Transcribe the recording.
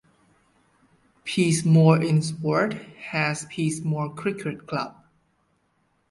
Peasemore in sport has Peasemore cricket club.